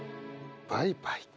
バイバイか。